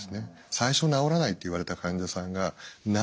最初治らないって言われた患者さんが治るようになると。